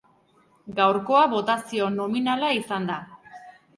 Gaurkoa botazio nominala izan da.